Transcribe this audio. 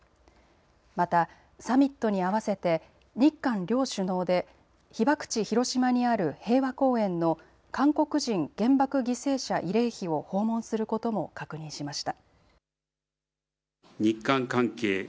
またサミットに合わせて日韓両首脳で被爆地、広島にある平和公園の韓国人原爆犠牲者慰霊碑を訪問することも確認しました。